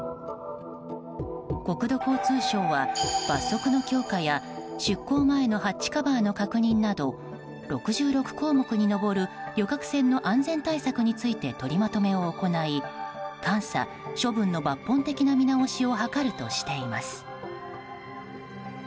国土交通省は罰則の強化や出航前のハッチカバーの確認など６６項目に上る旅客船の安全対策について取りまとめを行い監査・処分の抜本的な見直しを図るとしています。